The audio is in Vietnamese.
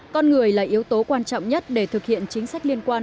con người là yếu tố quan trọng nhất để thực hiện chính sách liên quan